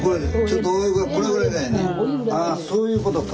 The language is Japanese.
ああそういうことか。